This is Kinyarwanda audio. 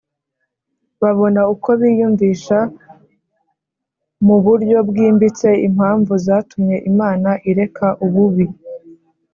babona uko biyumvisha mu buryo bwimbitse impamvu zatumye Imana ireka ububi